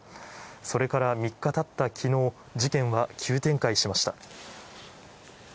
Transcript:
それから３日たったきのう、事件は急展開しました。